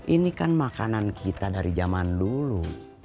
ini kan makanan kita dari zaman dulu